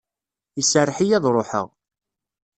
Iserreḥ-iyi ad ruḥeɣ.